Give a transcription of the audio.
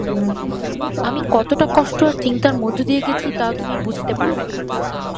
আমি কতটা কষ্ট আর চিন্তার মধ্য দিয়ে গেছি তা তুমি বুঝতে পারবে না।